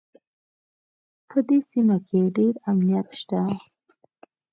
په دې سیمه کې ډېر امنیت شته